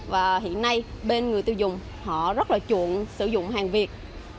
và hiện nay bên người tiêu dùng họ rất là chuộng sử dụng hàng việt